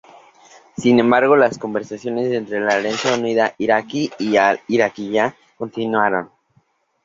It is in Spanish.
Sin embargo, las conversaciones entre la Alianza Unida Iraquí y al-Iraqiyya continuaron.